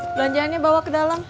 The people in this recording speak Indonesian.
belanjaannya bawa ke dalam